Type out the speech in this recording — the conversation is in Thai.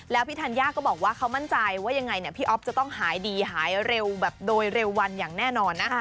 แล้วพี่ธัญญาก็บอกว่าเขามั่นใจว่ายังไงเนี่ยพี่อ๊อฟจะต้องหายดีหายเร็วแบบโดยเร็ววันอย่างแน่นอนนะ